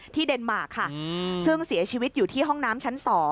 เดนมาร์ค่ะซึ่งเสียชีวิตอยู่ที่ห้องน้ำชั้น๒